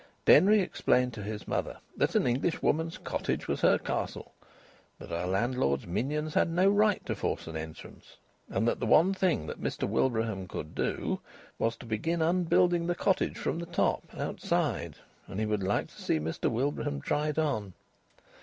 Denry explained to his mother that an Englishwoman's cottage was her castle, that a landlord's minions had no right to force an entrance, and that the one thing that Mr Wilbraham could do was to begin unbuilding the cottage from the top outside.... And he would like to see Mr Wilbraham try it on!